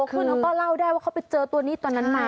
คุณเขาก็เล่าได้ว่าเขาไปเจอตัวนี้ตอนนั้นมา